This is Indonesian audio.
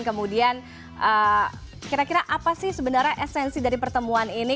kemudian kira kira apa sih sebenarnya esensi dari pertemuan ini